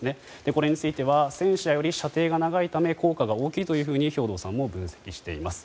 これについては戦車より射程が長いため効果が大きいと兵頭さんも分析しています。